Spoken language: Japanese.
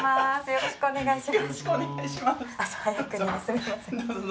よろしくお願いします。